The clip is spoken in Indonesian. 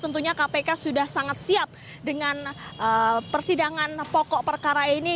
tentunya kpk sudah sangat siap dengan persidangan pokok perkara ini